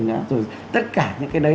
rồi tất cả những cái đấy